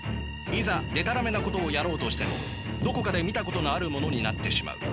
いざでたらめなことをやろうとしてもどこかで見たことのあるものになってしまう。